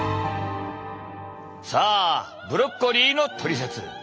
さあブロッコリーのトリセツ。